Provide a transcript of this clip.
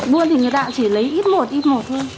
buôn thì người ta chỉ lấy ít một ít một thôi